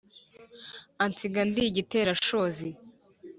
ansiga ndi igiterashozi.